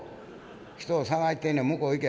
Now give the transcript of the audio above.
人を捜してんねん向こう行け。